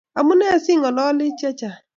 amune si ng'oloni chechang'?